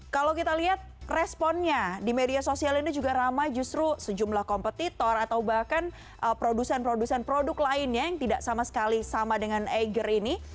kalau kita lihat responnya di media sosial ini juga ramai justru sejumlah kompetitor atau bahkan produsen produsen produk lainnya yang tidak sama sekali sama dengan ager ini